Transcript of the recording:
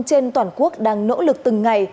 trên toàn quốc đang nỗ lực từng ngày